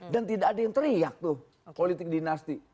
dan tidak ada yang teriak tuh politik dinasti